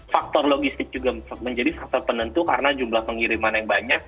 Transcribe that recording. faktor logistik juga menjadi faktor penentu karena jumlah pengiriman yang banyak